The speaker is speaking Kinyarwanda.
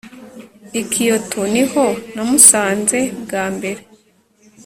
I Kyoto niho namusanze bwa mbere